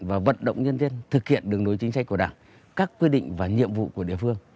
và vận động nhân dân thực hiện đường lối chính sách của đảng các quyết định và nhiệm vụ của địa phương